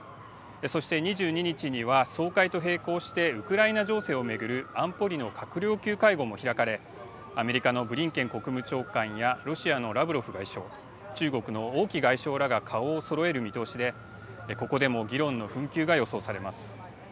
そして２２日には総会と並行してウクライナ情勢を巡る安保理の閣僚級会合も開かれアメリカのブリンケン国務長官やロシアのラブロフ外相中国の王毅外相らが顔をそろえる見通しでここでも議論の紛糾が予想されます。